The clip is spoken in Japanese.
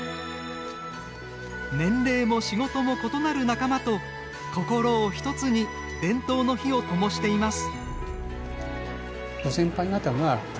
年齢も仕事も異なる仲間と心を一つに伝統の火をともしています。